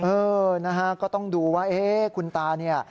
เออนะฮะก็ต้องดูว่าเอ๊ะคุณตาเนี่ย